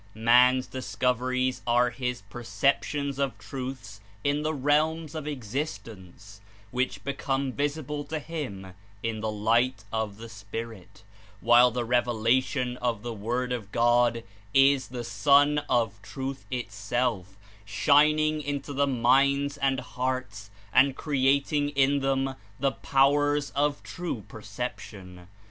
Man's discoveries are his perceptions of truths in the realms of existence, which become vis ible to him in the light of the spirit, while the revela tion of the Word of God is the Sun of Truth itself shining into the minds and hearts and creating in them the powers of true perception.